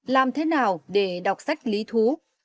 làm thế nào để đọc sách lý thú